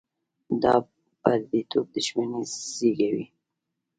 دا پرديتوب دښمني زېږوي.